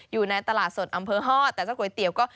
อยู่ในตลาดสดอำเภอฮอตแต่เจ้าก๋วยเตี๋ยวก็